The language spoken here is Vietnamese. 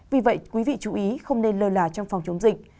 vì vậy quý vị chú ý không nên lơ là trong phòng chống dịch